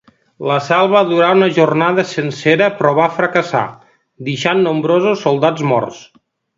L'assalt va durar una jornada sencera però va fracassar, deixant nombrosos soldats morts.